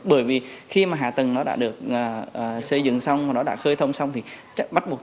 bởi vì khi mà hạ tầng nó đã được xây dựng xong mà nó đã khơi thông xong thì bắt buộc